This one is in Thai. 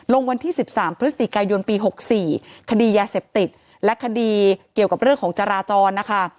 ลงวันที่๑๓พฤศจิกายนปี๖๔คดียาเสพติดและคดีเกี่ยวกับเรื่องของจราจรนะคะ